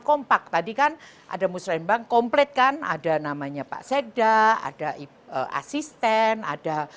kompak tadi kan ada musylaim bank komplet kan ada namanya pak seda ada asisten ada